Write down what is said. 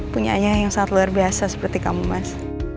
punyaannya yang sangat luar biasa seperti kamu mas